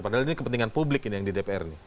padahal ini kepentingan publik ini yang di dpr ini